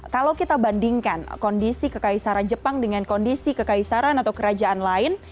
kalau kita bandingkan kondisi kekaisaran jepang dengan kondisi kekaisaran atau kerajaan lain